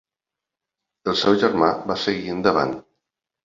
El seu germà va seguir endavant.